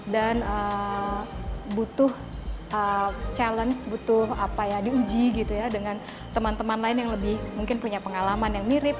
dan butuh challenge butuh diuji dengan teman teman lain yang lebih punya pengalaman yang mirip